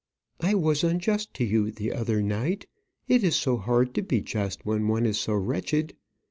"I was unjust to you the other night. It is so hard to be just when one is so wretched.